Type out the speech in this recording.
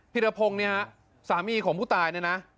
พิรพงศ์นี่สามีของผู้ตายนะ